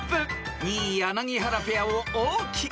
［２位柳原ペアを大きくリード］